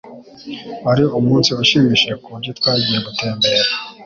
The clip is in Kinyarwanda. Wari umunsi ushimishije kuburyo twagiye gutembera.